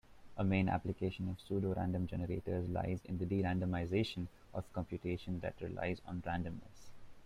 A main application of pseudorandom generators lies in the de-randomization of computation that relies on randomness.